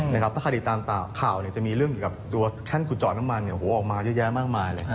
ถ้าใครติดตามข่าวจะมีเรื่องเกี่ยวกับตัวแท่นขุดเจาะน้ำมันออกมาเยอะแยะมากมายเลย